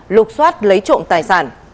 lục xoát lấy trộm tài sản